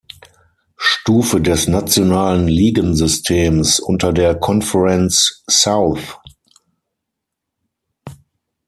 Stufe des nationalen Ligensystems unter der Conference South.